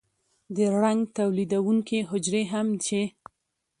د رنګ تولیدونکي حجرې هم چې